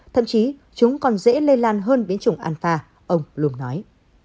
thậm chí chúng còn dễ lây lan hơn biến chủng alpha ông bloom nói